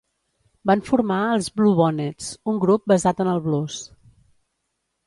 Van formar els BlueBonnets, un grup basat en el blues.